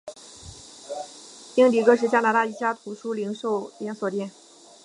英迪戈是加拿大一家图书零售连锁店。